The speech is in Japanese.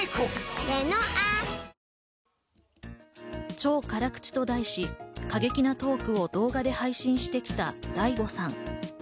超辛口と題し、過激なトークを動画で配信してきたＤａｉＧｏさん。